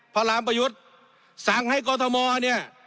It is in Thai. พระรามประยุทธ์สั่งให้กรทมเนี่ย